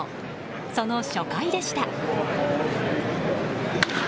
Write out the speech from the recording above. その初回でした。